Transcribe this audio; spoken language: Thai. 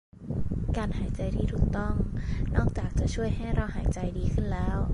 การหายใจที่ถูกต้องนอกจากจะช่วยให้เราหายใจดีขึ้นแล้ว